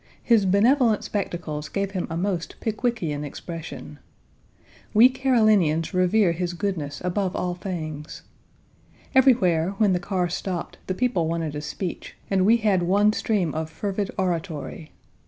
His benevolent spectacles give him a most Pickwickian expression. We Carolinians revere his goodness above all things. Everywhere, when the car stopped, the people wanted a speech, and we had one stream of fervid oratory.